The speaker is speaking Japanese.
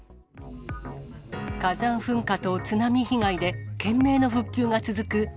火山噴火と津波被害で懸命の復旧が続く